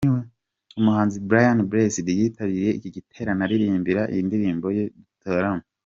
Umuhanzi Brian Blessed yitabiriye iki giterane anaririmba indirimbo ye 'Dutarame'.